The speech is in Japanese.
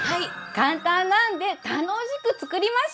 簡単なんで楽しく作りましょう！